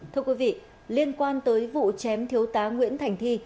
thưa quý vị liên quan tới vụ chém thiếu tá nguyễn thành thi